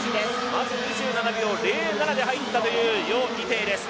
まず２７秒０７で入ったという余依テイです。